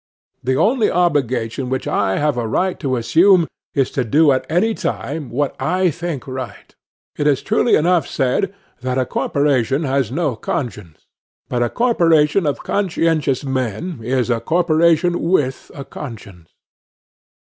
The only obligation which I have a right to assume, is to do at any time what I think right. It is truly enough said that a corporation has no conscience; but a corporation of conscientious men is a corporation with a conscience.